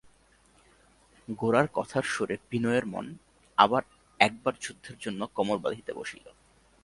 গোরার কথার সুরে বিনয়ের মন আবার একবার যুদ্ধের জন্য কোমর বাঁধিতে বসিল।